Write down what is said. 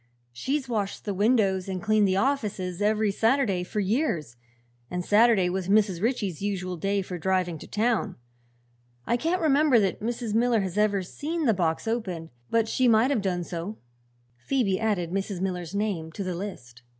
She's washed the windows and cleaned the offices every Saturday for years, and Saturday was Mrs. Ritchie's usual day for driving to town. I can't remember that Mrs. Miller has ever seen the box opened, but she might have done so." Phoebe added Mrs. Miller's name to the list.